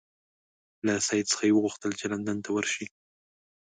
له سید څخه وغوښتل چې لندن ته ورشي.